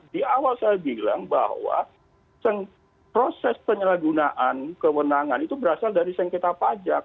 di awal saya bilang bahwa proses penyalahgunaan kewenangan itu berasal dari sengketa pajak